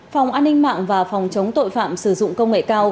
phòng an ninh mạng và phòng chống tội phạm sử dụng công nghệ cao